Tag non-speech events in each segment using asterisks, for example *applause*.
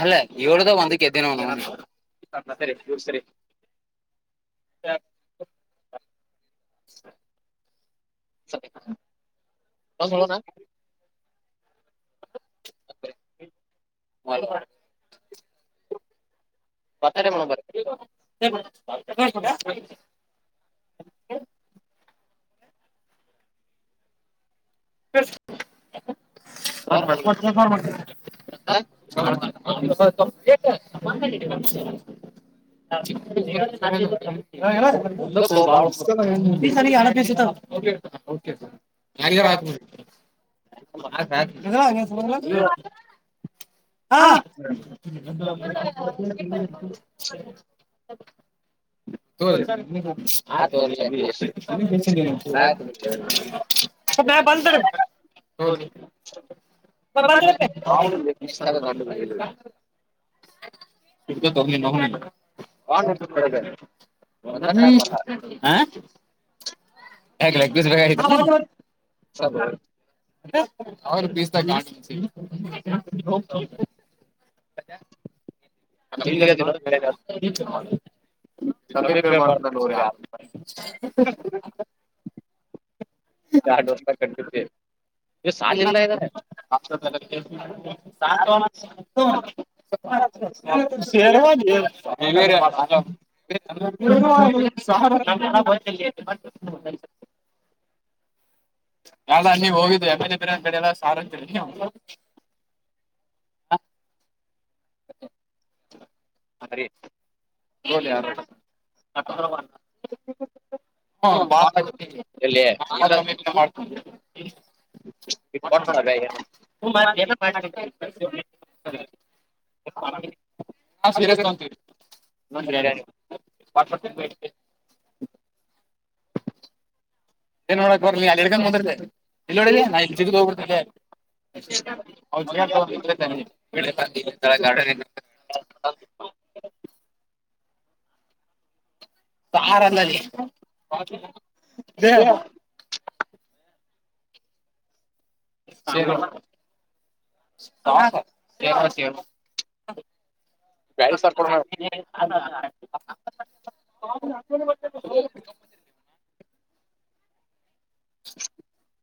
ಅಲ್ಲ ಇವಳದ ಒಂದಕ್ಕೆ ಎ್ದಿನ ಒ ಸರಿ ಇವರು ಸರಿ ಹಾ ಯಲೋಣ ಹ ಹ ಪತ್ತರ ಮಣ ಬರ ದ ಹ ಮಾಡ ಮಾಡ ಆರ್ಥ ಆಗುತ್ತಿಲ್ಲ ಅನ ನ ಹಾ ಅ ತೋ ಆ್ ತೋ ಅ ಅ ನ ಬಂದಾರ ಹೌದ ಬಂದತ್ತೆ ಇಗ ಅ ನ ಹ ಆ ಲ ಬ ಪ್ರ ಅವ್ರ ಪಸ್ತಾ ಗೊತ್ತಾಗುತ್ತಿಲ್ಲ ಗ ಸಮೀಪೇರ್ ಮಾಡ್ತಲ್ಲೋರಿ ಆಟ ವಸ್ ಕತೆ ಶೇರ್ವಾ ನೀ ನದಾ ನೀವು ಹೋಗಿದ್ದು ಎ ರನ್ ಕಡ ಎಲ್ಲ ಸಾರಂತ *unintelligible* ಹರಿ *unintelligible* ಹ್ಮ ಬಾಳ ನ ಮಾಡ್ಕೊಂಡ ಮಾಡ ನಾವು ಸೀರಿಯಸ್ ತೊಗೊಂತಿನಿ ಪಾಠವಡ್ತೇ ಏನ್ ನೋಡಕ್ ಬರ್ ನೀ ಅಲ್ಲಿರ್ಕೊಂಡ ಬಂದರ್ ಇಲ್ಲಿ ನಡಡಿಲ್ಲಾ ಇಲ್ಲಿಗ ಹೋಗಿತೇೆ ೌ ಹ ಸಾರ ಅಂದಾಜ ಸಗ ಸ *unintelligible* *inaudible* *inaudible*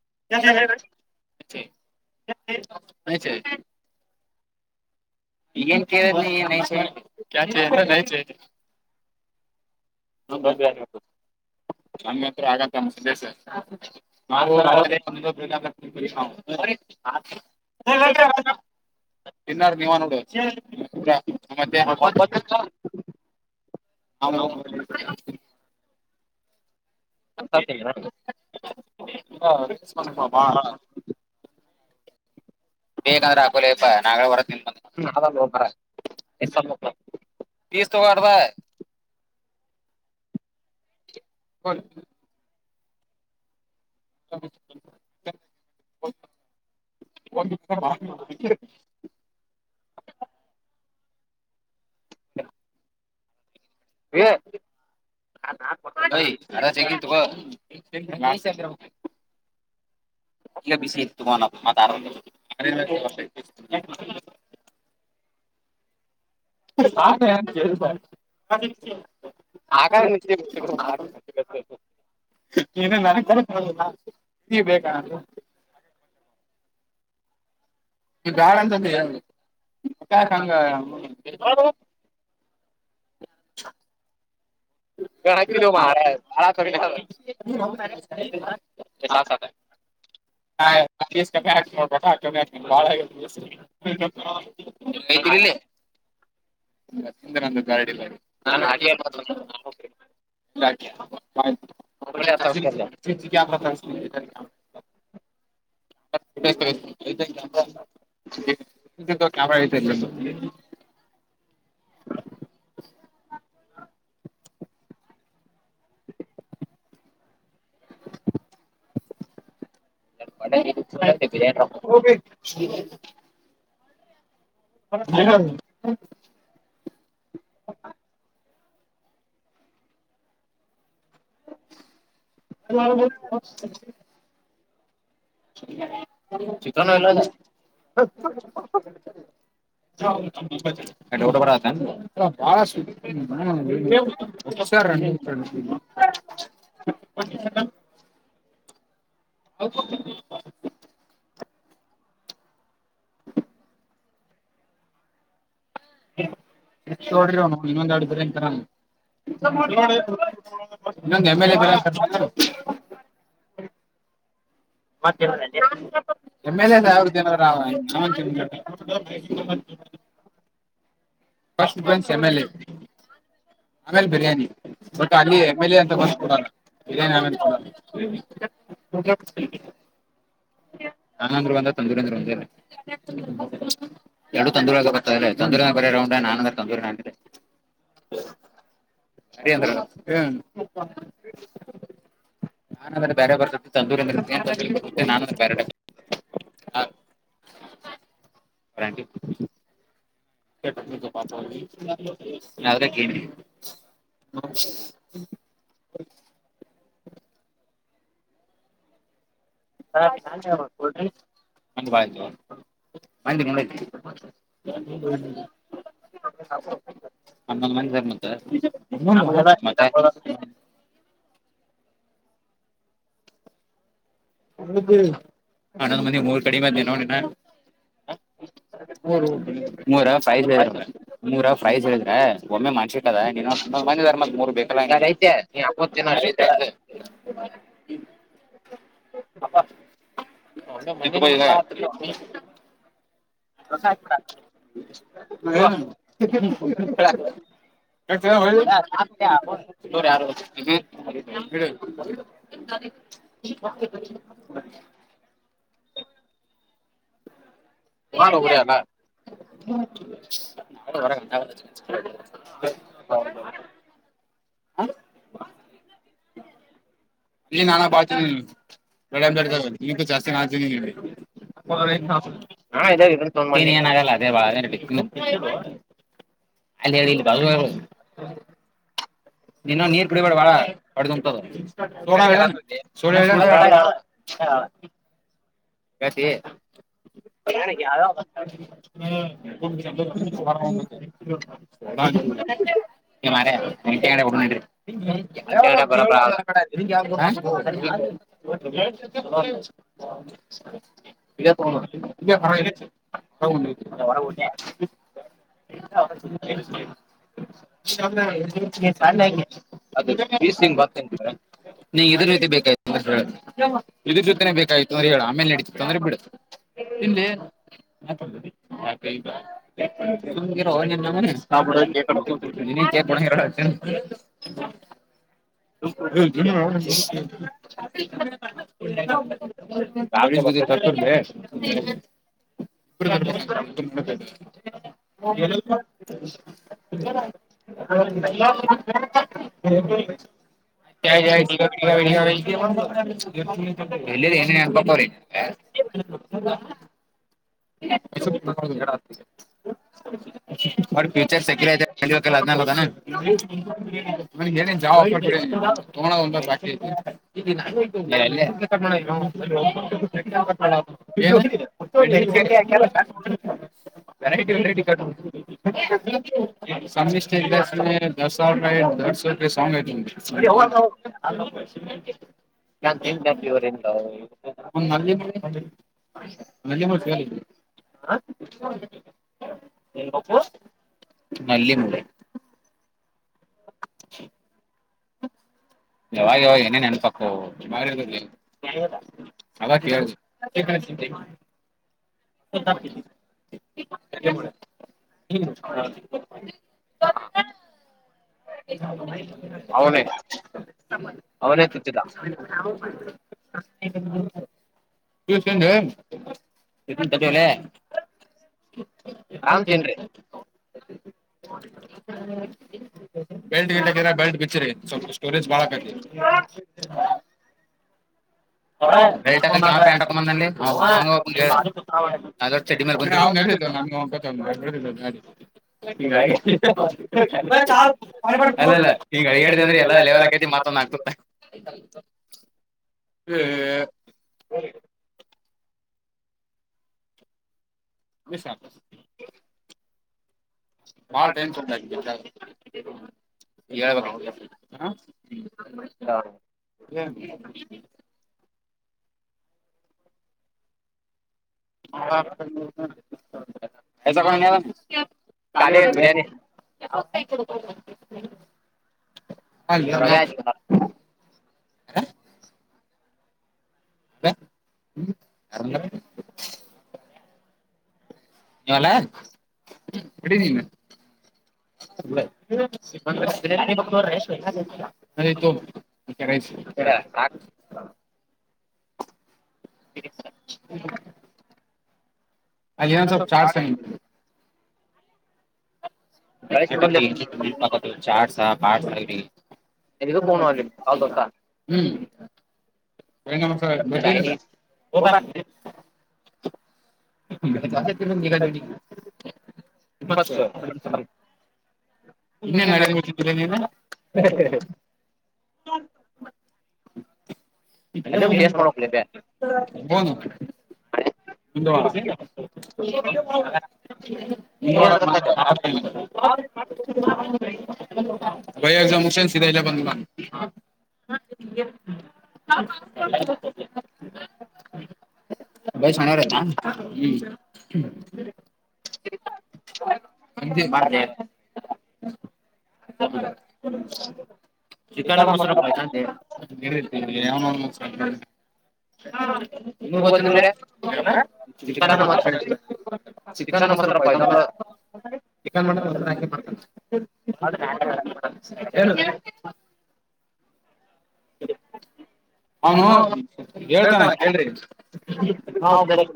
*inaudible* ಈಗಏನ್ ಕೇಳಲಿ *unintelligible* *unintelligible* ನಮ ಹತ್ರ *unintelligible* *unintelligible* ತಿನ್ನರ್ ನೀವ ನೋಡು *unintelligible* *unintelligible* *inaudible* ಬೇಗಂದ್ರೆ ಹಾಕೋಲಪ್ಪಾ ನಾಗಳ ಹೊರ ತಿಂಬನ್ *unintelligible* *unintelligible* *unintelligible* *unintelligible* ಹೇ ಹೇ ಹರಾಜಿ ಇಟ್ಕೋ. ಈಗ ಬಿಸಿ ಇತ್ತು *unintelligible* *unintelligible* *inaudible* *unintelligible* *unintelligible* ನೀ ಬ್ಯಾಡ ಅಂತ ಹೇಳಬೇಕು *unintelligible* *unintelligible* ಹೇ ಸಕ್ ಸಕಾಯತ್ *unintelligible* *unintelligible* ನ *inaudible* *inaudible* *inaudible* *unintelligible* *inaudible* *inaudible* *inaudible* *unintelligible* *inaudible* *unintelligible* *unintelligible* ಚಿಕನ್ ಇಲ್ಲ *unintelligible* ಟ ಬರ ಸ *unintelligible* ಇನ್ನೋದ್ *unintelligible* ಇನ್ನೊಂದು *unintelligible* M L A *unintelligible* *unintelligible* *unintelligible* M L A ಸಾವ್ರ ಜನ *unintelligible* *unintelligible* ಫಸ್ಟ್ *unintelligible* ಎಮ ಎಲ್ ಎ ಆಮೇಲೆ ಬಿರಿಯಾನಿ. ಬಟ್ ಅಲ್ಲಿ ಎಮ್ ಎಲ್ ಎ ಅಂತ ಬರ್ಕೊಡಲ್ಲ ಈಗ ಾನ ತ ನಾಂದ್ರ ಬಂದ ತಂದರಿಂದ ಎರಡು ತಂದರಾಗ ಬರ್ತ ತಂದರ ಬರ ಾ ನಾನ ತೆ ಹರಿಂದ್ರ ಹ್ಮ್ ಆನ್ರ ಬೇರೆ ಬರ್ತತಿ ತಂದೂ ಅಂದ ನಾನಂದ ಬೇರೆಡೆ ಬ ಟಿ ಪ ನ ಕಿ ಹಾ ಇಲ ಸ ನಟ ನ ಬ ನಂದ ಹಬ ಹೊಂದ್ ಮ ಸ ಮತ್ತ ಮತ್ತ ಹನ್ನೊಂದ್ ಮಂದಿ ಮೂರ್ ಕಡಿ ಮದ್ಿ ನೋಡಿನ ಹ ಮೂರ ಫ್ರೈಜ ಹೇಳ್ರ ಮೂರ ಫ್ರೈಜ ಹೇಳಿದ್ರೆ ಒಮ್ಮೆ ಮಾಡಸಿಟ್ ಅದ ನೀ ಮ್ ಮಂದಾರ ಮ ಮೂರ್ ಬೇಕಲ್ಲ ನಿು ಬ ಇಲ ತ ಇಲ ಹಾನರ ಹ ಈ ನಾನ ಆತೀನಿ ಬಡಡ್ದಾಗ ನಿಕ್ಕೂ ಜಾಸ್ತಿ ನಾತೀನಿಲ್ಲಿ ನ್ ಏನಗಲ್ಲ ಅದೇ ಬಾಳ ಬಿ ಅಲ್ಲಿ ಎಡಿಲ್ಲ ಬ ಇನ್ನೊ ನೀರ್ ಕುಡಿಬೇಡ ಬಾಳ ಅಡ್ದುಂಂತದ ಹಾ ಕತಿ ಯ ಹ್ಮ ನೀ ಮರಟಡೆ ಇಲ ಇಲ್ಲ ಹ ಹ ಚ ನೀ ಇದ್ರ ಜೊತೆ ಬೇಕಾಯತು ಇದ್ರ ಜೊತೆನೆೇ ಬೇಕಾಯು ಅ ಹೇಳ ಮೇಲೆ ಹಡತ್ತುಂದ್ರೆ ಬಿಡು ತಿ ಿರ ಮ ಇಲ ಕರ್ತೊಂಡೆ ಮತ್ತ *inaudible* ಹ ಯಾಯ ಜಾಯ ಗಾವಿಗಾವ ಗಾವ ನ ಪಪೋರೆ *inaudible* ಬ ಚರ್ ಸೆಕ್ಯ ಪ ಲಗ್ನ ನನ್ಗೆ ಏನನ್ ಜಾವ ಕೊಟ್ಟ ತ ಒಂದ ಬಾಕಿ *inaudible* ವೆರಾಯಟಿ ವೆರಟಿ ಕ ಸಮ್ಟೇ ದ ಹ ದರ್ಸ ರಪ ಸಂಗು ಕನ್ ತಿನ್ ಜತಿವ್ರಲ್ಲ ಒಂದು ನಲ್ಲಿ ಮ ನಲ್ಲಿ ಮಳೆಗ ಹ ಏನ್ಪ್ಪು ನಲ್ಲಿಯ ಮಲೆೆ ಇಾವ ಅವ ಏನೇನ್ ನೆನಪಕ್ಕ ಅವ ಕೇಳುದು ಚ ಹ ಮನ ಅವನ ನಾನು ಕ ಬೆಲ್ಟ್ ಇರ ಬೆಲ್ಟ್ ಬಿಚ್ಚಿರ ಸ್ವಲ್ಪ ಸ್ಟೋರೇಜ್ ಬಾಳ ಬೆಲ್ಟ್ ಪ್ಯಾಂಟ್ ಬಂದ ಅ ಚ ನಮ್ಗೆ ಒಂಕೊತಮ್ಮ ಲ್ಲಲ್ಲ ಹ ಅಂದ್ರೆ ಎಲ್ಲ ವಲ್ಐತಿ ಮತ್ತ ಮಾಡ್ ಹ್ಮ್ ಎಸ ಬಾಳ ಟೈಮ್ ಸ ಆ ಹ ಹ ಹ ಯ ಕಾಣ ಕಾಲ ಅ ಯಾಲ ಎ ಅ ಕ ಹಾ ಹ್ಮ ಅಲ್ಲಿನ್ ಸ ಚಾರ್ ಸ ಚಾರ್ಟ ಪಾರ ಹ್ಮ್- ಹ -ನಮಸ್ಕಾರ- ಬ ಕಾ-ಕ-ಚಡ ಇನ್ನೇ ನಡಿದ್ದರ- ನೀ ನಿಂದುವ ನಿ ಬೈ ಎಕ್ಮ ಮುುಷನ್ ಸಿ ಇಲ್ಲ ಬಂದ ಹ ಬೈ ಹನಾ *inaudible* ಬ ಚಿಕನ್ ಮೊಸರ ಇತ್ತ ನೂರ ದೀಪಾನ ಮ ಚಿಕನ್ ಮಸಾಲ ಚಿಕನ್- ಮ -ಮಾಡ ಏನು ಅವನು ಹೇಳ್ತಾನ ಹೇಳ್ರಿ